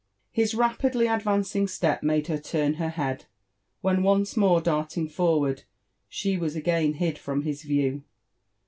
His rapidly adyancing step made her turn her head, when once more darting forward, she was again hid from his view.